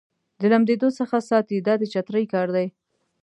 د لمدېدو څخه ساتي دا د چترۍ کار دی.